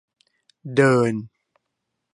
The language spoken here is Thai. เดิน